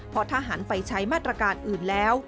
พอทหารไปใช้มาตรการอื่นแล้ว